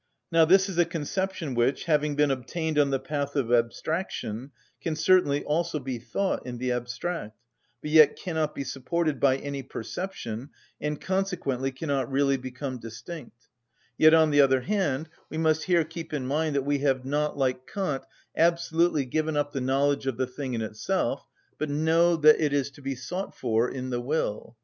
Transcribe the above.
Now this is a conception which, having been obtained on the path of abstraction, can certainly also be thought in the abstract, but yet cannot be supported by any perception, and consequently cannot really become distinct; yet, on the other hand, we must here keep in mind that we have not, like Kant, absolutely given up the knowledge of the thing in itself, but know that it is to be sought for in the will.